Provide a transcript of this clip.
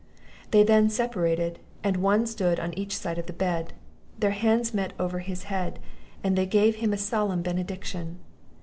They then separated, and one stood on each side of the bed; their hands met over his head, and they gave him a solemn benediction.